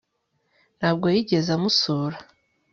ntabwo yigeze amusura